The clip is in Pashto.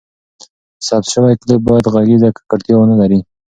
ثبت شوی کلیپ باید ږغیزه ککړتیا ونه لري.